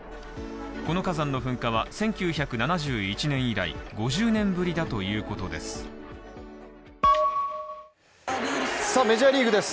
この火山の噴火は１９７１年以来５０年ぶりだということです。